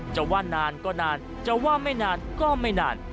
จะว่านานก็นานจะว่าไม่นานก็ไม่นาน